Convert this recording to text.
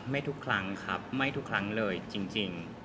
ไม่ทุกครั้งครับไม่ทุกครั้งเลยจริง